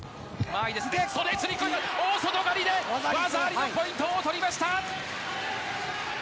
大外刈りで技ありのポイントを取りました！